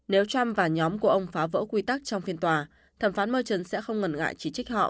nếu trump và nhóm của ông phá vỡ quy tắc trong phiên tòa thẩm phán moron sẽ không ngần ngại chỉ trích họ